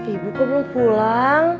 ibu kok belum pulang